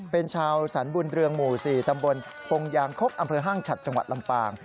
เป็นชาวสรรบุญเรืองหมู่๔ตำบลปงยางคกอำเภอห้างฉัดจังหวัดลำปาง